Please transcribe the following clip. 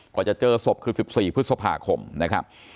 จะเจอศพคือ๑๔พฤษภาคมนะครับ